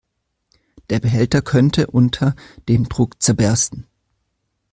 Der Behälter könnte unter dem Druck zerbersten.